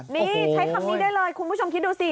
นี่ใช้คำนี้ได้เลยคุณผู้ชมคิดดูสิ